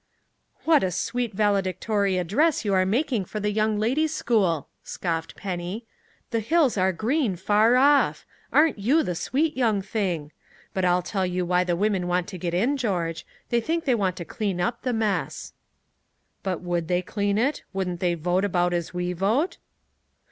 "What a sweet valedictory address you are making for a young ladies' school!" scoffed Penny. "The hills are green far off! Aren't you the Sweet Young Thing. But I'll tell you why the women want to get in, George. They think they want to clean up the mess." "But would they clean it? Wouldn't they vote about as we vote?"